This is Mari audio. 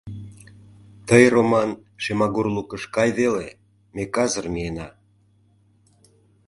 — Тый, Роман, Шемагур лукыш кай веле, ме казыр миена.